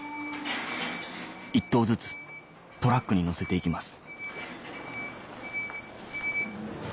１頭ずつトラックに乗せて行きます